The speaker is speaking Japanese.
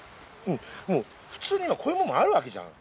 う普通に今こういう物もあるわけじゃん。